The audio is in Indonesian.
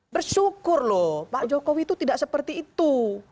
bersyukur loh pak jokowi itu tidak seperti itu